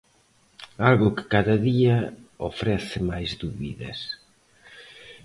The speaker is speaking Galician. Algo que cada día, ofrece máis dúbidas.